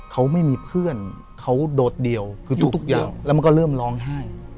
เขาไม่มีเพื่อนเขาโดดเดี่ยวคือทุกอย่างแล้วมันก็เริ่มร้องไห้